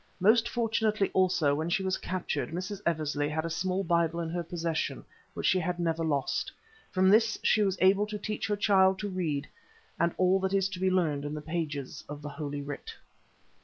Most fortunately also when she was captured, Mrs. Eversley had a small Bible in her possession which she had never lost. From this she was able to teach her child to read and all that is to be learned in the pages of Holy Writ.